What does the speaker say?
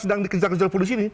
sedang dikejar kejar polisi ini